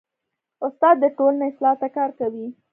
استاد د ټولنې اصلاح ته کار کوي.